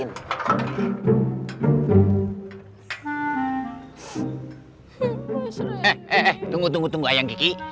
eh eh eh tunggu tunggu tunggu ayang kiki